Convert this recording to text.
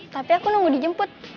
tapi aku nunggu dijemput